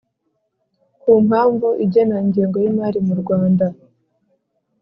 Ku mpamvu igena ingengo y’ imari mu rwanda.